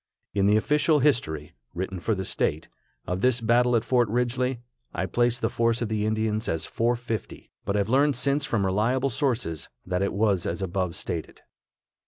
In the official history (written for the state) of this battle at Fort Ridgely, I place the force of the Indians as 450, but have learned since from reliable sources that it was as above stated.